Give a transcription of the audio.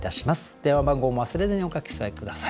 電話番号も忘れずにお書き添え下さい。